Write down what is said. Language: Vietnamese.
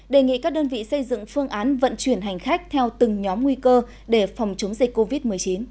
đề nghị các đơn vị xây dựng phương án vận chuyển hành khách theo từng nhóm nguy cơ để phòng chống dịch covid một mươi chín